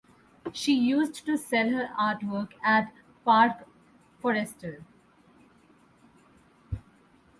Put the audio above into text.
She used to sell her artwork at Parque Forestal.